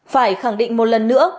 phải khẳng định một lần nữa